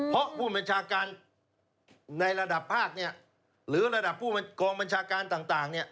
เพราะผู้บัญชาการในระดับภาคหรือระดับกองบัญชาการต่าง